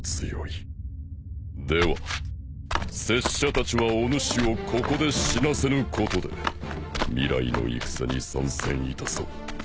では拙者たちはおぬしをここで死なせぬことで未来の戦に参戦いたそう。